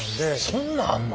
そんなあんの。